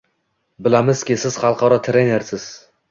Bilamizki, siz xalqaro trenersiz